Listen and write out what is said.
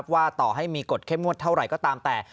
ว่าต่อให้มีกฎเข้มงวดเท่าไหร่ก็ตามแต่